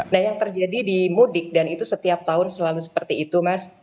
nah yang terjadi di mudik dan itu setiap tahun selalu seperti itu mas